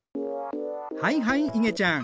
はいはいいげちゃん。